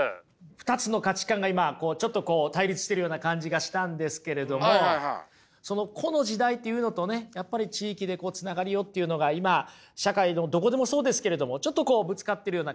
２つの価値観が今ちょっとこう対立してるような感じがしたんですけれどもその個の時代っていうのとねやっぱり地域でつながりをっていうのが今社会のどこでもそうですけれどもちょっとこうぶつかってるような感じはしますよね。